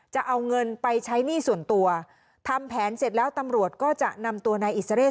จะเอาเงินไปใช้หนี้ส่วนตัวทำแผนเสร็จแล้วตำรวจก็จะนำตัวนายอิสราเรศ